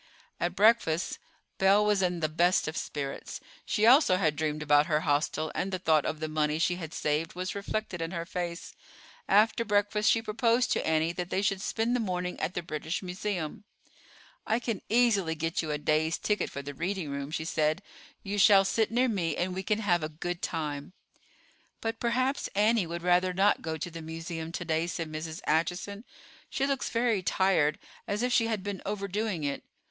At breakfast Belle was in the best of spirits. She also had dreamed about her hostel, and the thought of the money she had saved was reflected in her face. After breakfast she proposed to Annie that they should spend the morning at the British Museum. "I can easily get you a day's ticket for the reading room," she said. "You shall sit near me, and we can have a good time." "But perhaps Annie would rather not go to the Museum to day," said Mrs. Acheson. "She looks very tired, as if she had been overdoing it."